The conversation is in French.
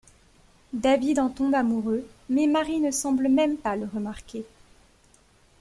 David en tombe amoureux, mais Marie ne semble même pas le remarquer.